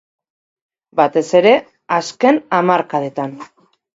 Batez ere azken hamarkadetan.